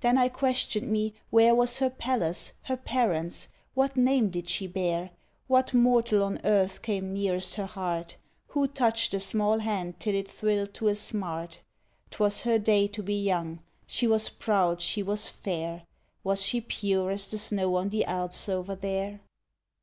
Then I questioned me where Was her palace? her parents? What name did she bear? What mortal on earth came nearest her heart? Who touched the small hand till it thrilled to a smart? ‘Twas her day to be young. She was proud, she was fair. Was she pure as the snow on the Alps over there?